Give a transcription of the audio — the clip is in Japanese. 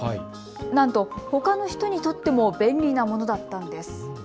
なんと、ほかの人にとっても便利なものだったんです。